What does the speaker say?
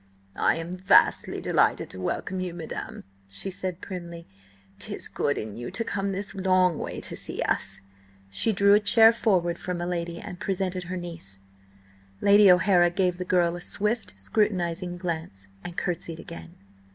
"I am vastly delighted to welcome you, madam," she said primly. "'Tis good in you to come this long way to see us." She drew a chair forward for my lady, and presented her niece. Lady O'Hara gave the girl a swift, scrutinising glance, and curtsied again.